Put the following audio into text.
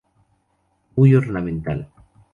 Muy ornamental.